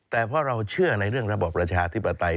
แต่เราต้องเชื่อในเรื่องระบบรชาที่ประทัย